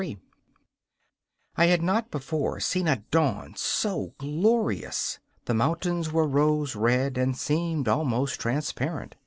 23 I had not before seen a dawn so glorious! The mountains were rose red, and seemed almost transparent.